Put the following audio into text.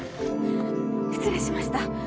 失礼しました。